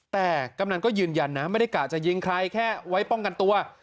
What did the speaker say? แต่กำนันก็ยืนยันนะไม่ได้กะจะยิงใครแค่ไว้ป้องกันตัว